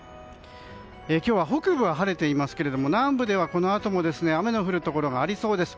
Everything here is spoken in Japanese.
今日は北部は晴れていますが南部ではこのあとも雨の降るところがありそうです。